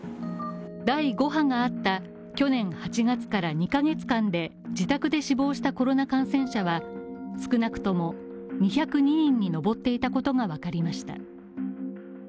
第５波があった去年８月から２ヶ月間で、自宅で死亡したコロナ感染者は少なくとも２０２人に上っていたことがわかりました。